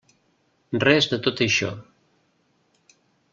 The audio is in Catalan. Res de tot això.